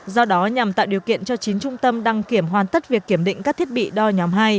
do đó nhằm tạo điều kiện cho chín trung tâm đăng kiểm hoàn tất việc kiểm định các thiết bị đo nhóm hai